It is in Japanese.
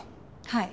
はい。